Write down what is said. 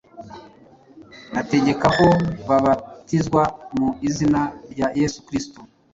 Ategeka ko babatizwa mu izina rya Yesu Kristo.”